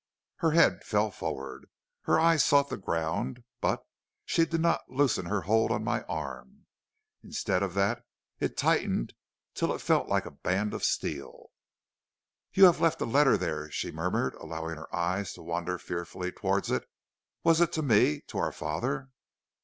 "Her head fell forward, her eyes sought the ground, but she did not loosen her hold on my arm. Instead of that, it tightened till it felt like a band of steel. "'You have left a letter there,' she murmured, allowing her eyes to wander fearfully towards it. 'Was it to me? to our father?'